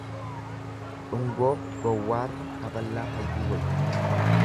Dhungoo gowwaarra kaballaa hayyuu wayya.